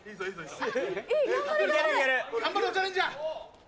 頑張れお茶レンジャー。